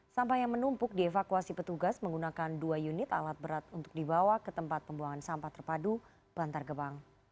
sampah yang menumpuk dievakuasi petugas menggunakan dua unit alat berat untuk dibawa ke tempat pembuangan sampah terpadu bantar gebang